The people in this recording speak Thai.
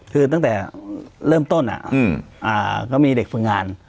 คือตั้งแต่เริ่มต้นก็มีเด็กฝึกงาน